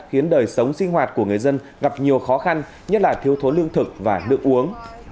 khiến đời sống sinh hoạt của người dân gặp nhiều khó khăn nhất là thiếu thốn lương thực và nước uống